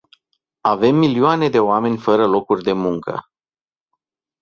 Avem milioane de oameni fără locuri de muncă.